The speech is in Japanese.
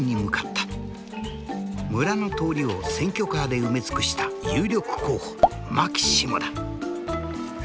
村の通りを選挙カーで埋め尽くした有力候補マキシモだ。